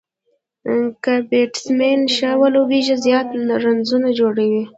که بيټسمېن ښه ولوبېږي، زیات رنزونه جوړوي.